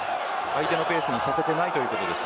相手のペースにさせていないということです。